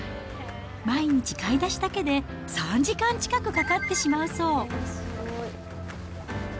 毎日買い出しだけで３時間近くかかってしまうそう。